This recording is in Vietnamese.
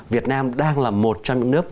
việt nam đang là một trong những nước